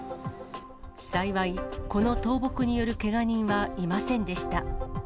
幸い、この倒木によるけが人はいませんでした。